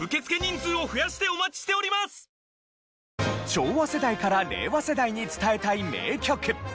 昭和世代から令和世代に伝えたい名曲。